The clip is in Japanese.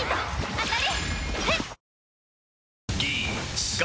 当たり！